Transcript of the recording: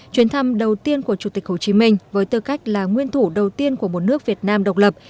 chuyến thăm đầu tiên của chủ tịch hồ chí minh với tư cách là nguyên thủ đầu tiên của một nước việt nam độc lập